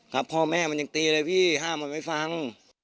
ครับพ่อแม่มันยังตีเลยพี่ห้ามมันไม่ฟัง